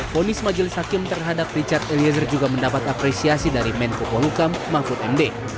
ponis majelis hakim terhadap richard eliezer juga mendapat apresiasi dari menko polhukam mahfud md